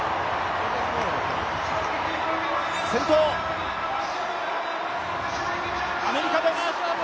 先頭、アメリカです！